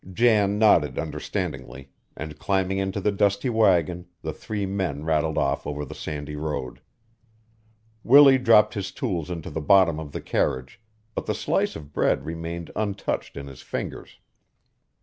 Jan nodded understandingly, and climbing into the dusty wagon, the three men rattled off over the sandy road. Willie dropped his tools into the bottom of the carriage but the slice of bread remained untouched in his fingers.